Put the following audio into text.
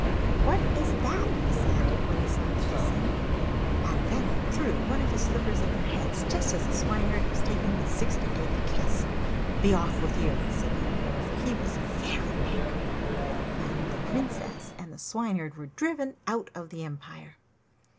'What is that?' he said, when he saw the kissing; and then he threw one of his slippers at their heads just as the Swineherd was taking his eighty sixth kiss. 'Be off with you!' said the Emperor, for he was very angry. And the Princess and the Swineherd were driven out of the empire.